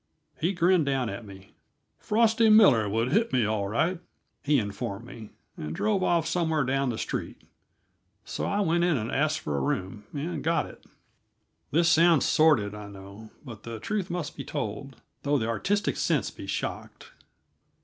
He grinned down at me. "Frosty Miller would hit me, all right," he informed me, and drove off somewhere down the street. So I went in and asked for a room, and got it. This sounds sordid, I know, but the truth must be told, though the artistic sense be shocked.